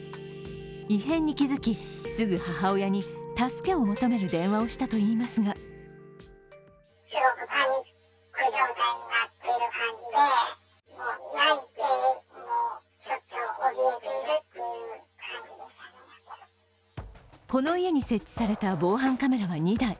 異変に気付き、すぐ母親に助けを求める電話をしたといいますがこの家に設置された防犯カメラは２台。